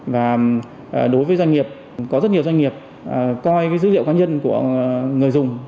và đối với doanh nghiệp có rất nhiều doanh nghiệp coi dữ liệu cá nhân của người dùng